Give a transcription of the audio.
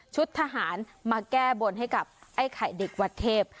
ทหารมาแก้บนให้กับไอ้ไข่เด็กวัดเทพ